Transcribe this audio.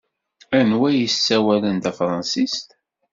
Anwa ay yessawalen tafṛensist?